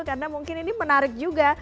karena mungkin ini menarik juga